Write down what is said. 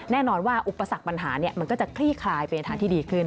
แน่นอนว่าอุปสรรคปัญหามันก็จะคลี่คลายไปในทางที่ดีขึ้น